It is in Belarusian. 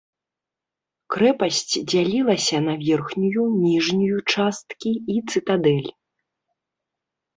Крэпасць дзялілася на верхнюю, ніжнюю часткі і цытадэль.